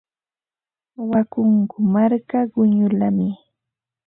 Wakunku marka quñullami.